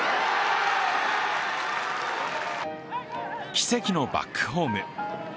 奇跡のバックホーム。